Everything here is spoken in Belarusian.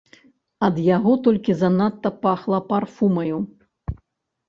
Ад яго толькі занадта пахла парфумаю.